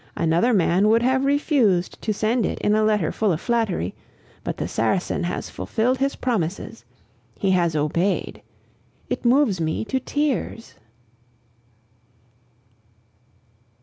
Another man would have refused to send it in a letter full of flattery; but the Saracen has fulfilled his promises. He has obeyed. It moves me to tears.